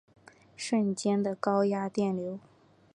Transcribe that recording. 瞬间的高压电流